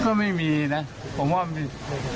ก็ไม่มีนะผมว่ามันมี